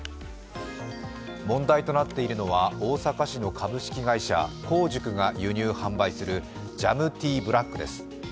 問題となっているのは大阪市の株式会社香塾が輸入販売するジャムーティーブラックです。